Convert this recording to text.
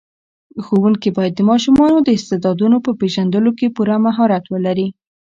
ښوونکي باید د ماشومانو د استعدادونو په پېژندلو کې پوره مهارت ولري.